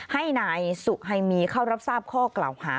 ให้นายสุไฮมีเข้ารับทราบข้อกล่าวหา